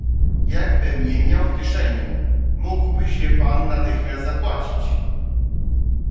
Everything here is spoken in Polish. "Jakbym je miał w kieszeni; mógłbyś je pan natychmiast zapłacić."